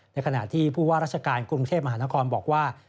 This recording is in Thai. ขณะที่ผู้ว่าราชการกรุงเทพมหานครบอกว่า